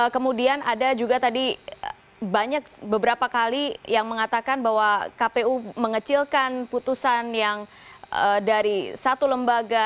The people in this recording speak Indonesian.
kemudian ada juga tadi banyak beberapa kali yang mengatakan bahwa kpu mengecilkan putusan yang dari satu lembaga